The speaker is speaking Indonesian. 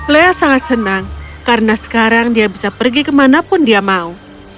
lea sangat senang karena sekarang dia bisa pergi kemanapun dia mau